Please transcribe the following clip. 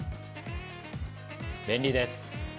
便利です。